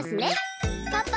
パパ！